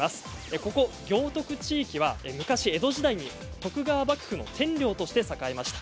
ここ行徳地域は昔、江戸時代に徳川幕府の天領として栄えました。